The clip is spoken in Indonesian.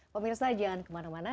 pemirsa jangan kemana mana